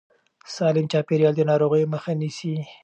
سالم چاپېريال د ناروغیو مخه نیسي.